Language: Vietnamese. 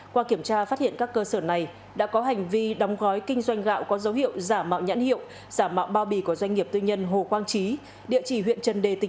qua kiểm tra phát hiện các cơ sở này đã có hành vi đóng gói kinh doanh gạo có dấu hiệu giả mạo nhãn hiệu giả mạo bao bì của doanh nghiệp tư nhân hồ quang trí